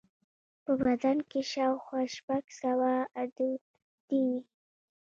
په بدن کې شاوخوا شپږ سوه غدودي دي.